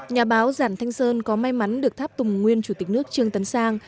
nhà báo giản thanh sơn có may mắn được tháp tùng nguyên chủ tịch nước trương tấn sang